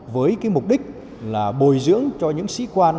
với cái mục đích là bồi dưỡng cho những sĩ quan